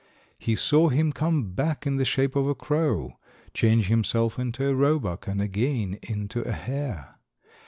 He saw him come back in the shape of a crow, change himself into a roebuck, and again into a hare.